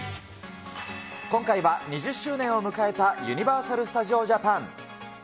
今回は２０周年を迎えたユニバーサル・スタジオ・ジャパン。